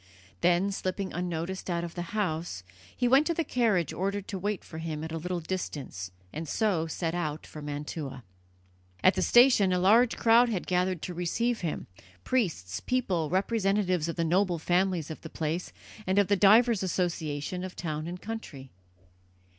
Then, slipping unnoticed out of the house, he went to the carriage ordered to wait for him at a little distance, and so set out for Mantua. At the station a large crowd had gathered to receive him, priests, people, representatives of the noble families of the place, and of the divers associations of town and country.